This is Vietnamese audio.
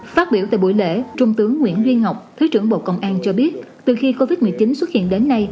phát biểu tại buổi lễ trung tướng nguyễn duy ngọc thứ trưởng bộ công an cho biết từ khi covid một mươi chín xuất hiện đến nay